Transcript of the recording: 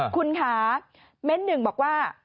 คุณคะเม้นต์หนึ่งบอกว่า